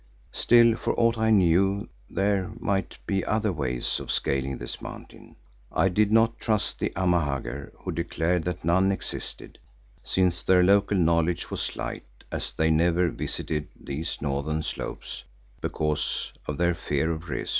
Still, for aught I knew there might be other ways of scaling this mountain. I did not trust the Amahagger, who declared that none existed, since their local knowledge was slight as they never visited these northern slopes because of their fear of Rezu.